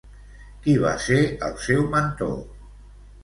Qui va ser el seu mentor?